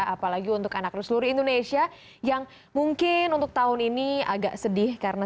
apalagi untuk anak seluruh indonesia yang mungkin untuk tahun ini agak sedih karena